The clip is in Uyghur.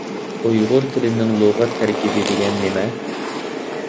ئۇيغۇر تىلىنىڭ لۇغەت تەركىبى دېگەن نېمە؟